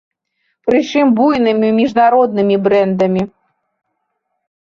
Прычым буйнымі міжнароднымі брэндамі.